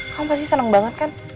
kamu pasti senang banget kan